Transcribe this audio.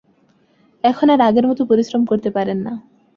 এখন আর আগের মতো পরিশ্রম করতে পারেন না।